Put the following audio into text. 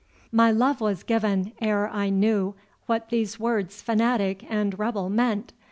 "My love was given ere I knew what these words fanatic and rebel meant.